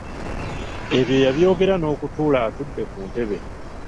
Ebyo yabyogera n’okutuula atudde ku ntebe.